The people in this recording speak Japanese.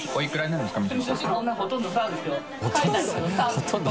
「ほとんど」？